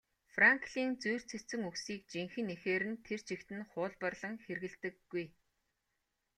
Франклин зүйр цэцэн үгсийг жинхэнэ эхээр нь тэр чигт нь хуулбарлан хэрэглэдэггүй.